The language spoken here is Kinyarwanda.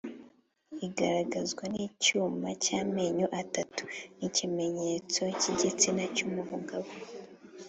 igaragazwa n’icyuma cy’amenyo atatu n’ikimenyetso cy’igitsina cy’umugabo